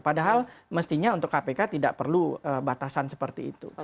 padahal mestinya untuk kpk tidak perlu batasan seperti itu